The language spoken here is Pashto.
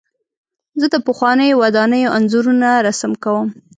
زه د پخوانیو ودانیو انځورونه رسم کوم.